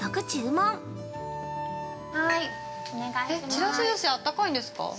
ちらしずし、あったかいんですか。